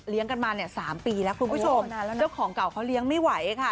เลี้ยงกันมา๓ปีแล้วคุณผู้ชมเจ้าของเก่าเค้าเลี้ยงไม่ไหวค่ะ